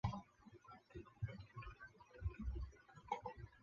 看着他长大